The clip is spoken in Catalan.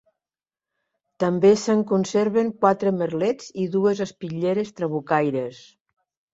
També se'n conserven quatre merlets i dues espitlleres trabucaires.